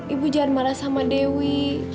ibu jangan marah sama dewi